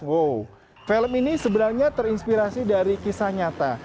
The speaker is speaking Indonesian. wow film ini sebenarnya terinspirasi dari kisah nyata